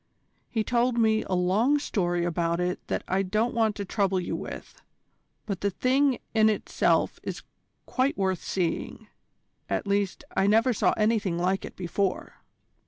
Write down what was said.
He told me a long story about it that I don't want to trouble you with: but the thing in itself is quite worth seeing. At least, I never saw anything like it before."